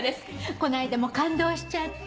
この間も感動しちゃって。